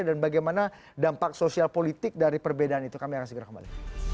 dan bagaimana dampak sosial politik dari perbedaan itu kami akan segera kembali